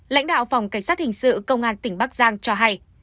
lãnh đạo phòng cảnh sát hình sự công an tỉnh bắc giang cho hay